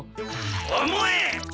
思え！